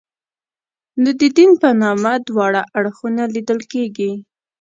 نو د دین په نامه دواړه اړخونه لیدل کېږي.